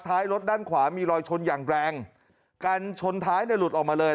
ท้ายรถด้านขวามีรอยชนอย่างแรงการชนท้ายเนี่ยหลุดออกมาเลย